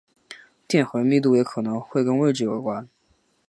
电荷密度也可能会跟位置有关。